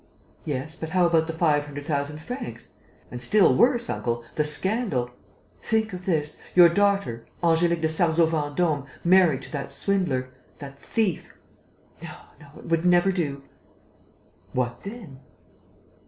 "Yes, but how about the five hundred thousand francs?... And, still worse, uncle, the scandal?... Think of this: your daughter, Angélique de Sarzeau Vendôme, married to that swindler, that thief.... No, no, it would never do...." "What then?"